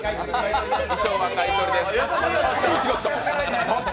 衣装が買い取りでーす。